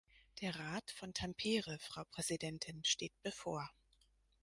Der Rat von Tampere, Frau Präsidentin, steht bevor.